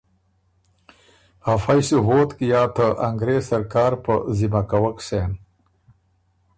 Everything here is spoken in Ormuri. ا فئ سُو ووتک یا ته انګرېز سرکار په ذِمه کوَک سېن۔